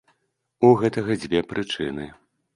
У гэтага дзве прычыны.